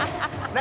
何？